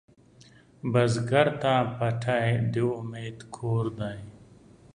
بزګر ته پټی د امید کور دی